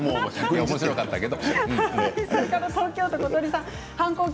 おもしろかったけど。